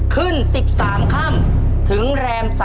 ขึ้น๑๓ค่ำถึงแรม๓